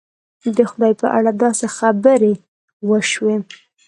د خدای په اړه داسې خبرې وشي.